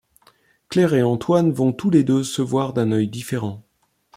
Claire et Antoine vont tous les deux se voir d'un œil différent.